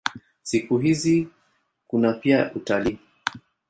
Siku hizi kuna pia utalii.